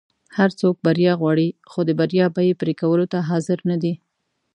هر څوک بریا غواړي خو د بریا بیی پری کولو ته حاضر نه دي.